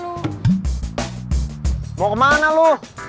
lu mau kemana lu